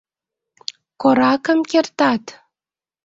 Коракым кертат?